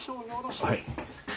はい。